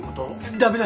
ダメだ。